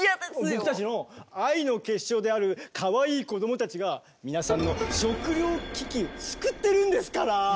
僕たちの愛の結晶であるかわいい子どもたちが皆さんの食糧危機を救ってるんですから。